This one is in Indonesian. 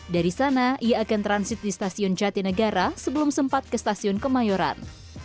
dari sana ia akan transit di stasiun jatinegara sebelum sempat ke stasiun kemayoran